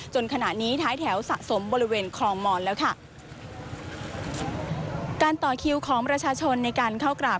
ขณะนี้ท้ายแถวสะสมบริเวณคลองมอนแล้วค่ะการต่อคิวของประชาชนในการเข้ากราบ